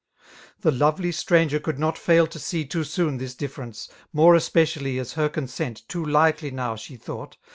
The lovely stranger could not faO to see Too soon this difference, ^more especially A$ her consent, too lightly now, she thought.